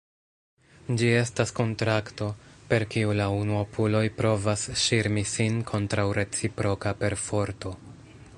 Ĝi estas kontrakto, per kiu la unuopuloj provas ŝirmi sin kontraŭ reciproka perforto.